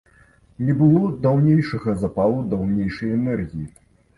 Не было даўнейшага запалу, даўнейшай энергіі.